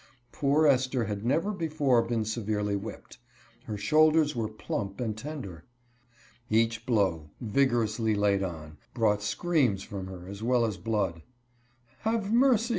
Poor Esther had never before been severely whipped. Her shoulders were plump and tender. Each blow, vig orously laid on, brought screams from her as well as blood. " Have mercy !